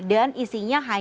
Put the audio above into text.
dan isinya hanya